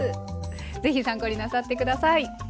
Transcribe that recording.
ぜひ参考になさって下さい。